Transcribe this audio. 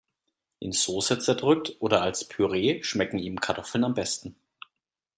In Soße zerdrückt oder als Püree schmecken ihm Kartoffeln am besten.